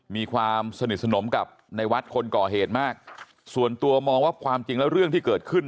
มีความสนิทสนมกับในวัดคนก่อเหตุมากส่วนตัวมองว่าความจริงแล้วเรื่องที่เกิดขึ้น